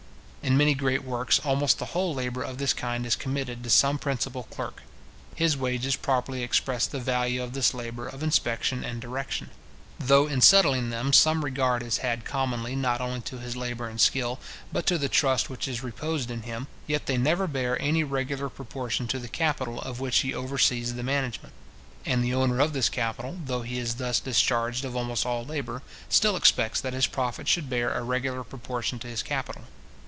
In many great works, almost the whole labour of this kind is committed to some principal clerk. His wages properly express the value of this labour of inspection and direction. Though in settling them some regard is had commonly, not only to his labour and skill, but to the trust which is reposed in him, yet they never bear any regular proportion to the capital of which he oversees the management; and the owner of this capital, though he is thus discharged of almost all labour, still expects that his profit should bear a regular proportion to his capital.